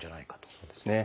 そうですね。